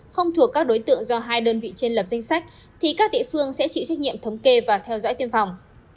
không thuộc các đối tượng do hai đơn vị trên lập danh sách thì các địa phương sẽ chịu trách nhiệm thống kê và theo dõi tiêm phòng